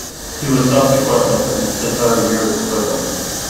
He was subsequently sentenced to thirty years in prison.